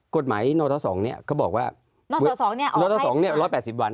กฎหมายโนทสองเนี้ยเขาบอกว่าโนทสองเนี้ยโนทสองเนี้ยร้อยแปดสิบวัน